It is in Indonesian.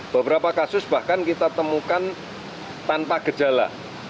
beberapa kasus bahkan kita temukan tanpa gejala